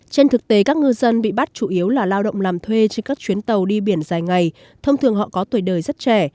trên thực tế các ngư dân bị bắt chủ yếu là lao động làm thuê trên các chuyến tàu đi biển dài ngày thông thường họ có tuổi đời rất trẻ